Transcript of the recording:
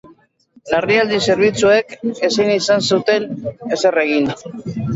Larrialdi zerbitzuek ezin izan zuten ezer egin.